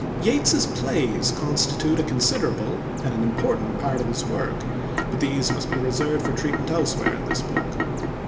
Yeats's plays constitute a considerable and an important part of his work, but these must be reserved for treatment elsewhere in this book.